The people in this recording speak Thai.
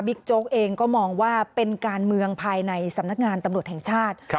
โจ๊กเองก็มองว่าเป็นการเมืองภายในสำนักงานตำรวจแห่งชาติ